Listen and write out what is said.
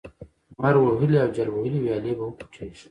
لمر وهلې او جل وهلې ويالې به وخوټېږي،